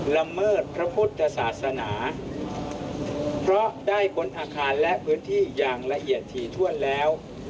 ละเมิดพระพุทธศาสนาเพราะได้ค้นอาคารและพื้นที่อย่างละเอียดถี่ถ้วนแล้ว